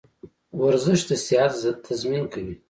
ورزش د صحت تضمین کوي.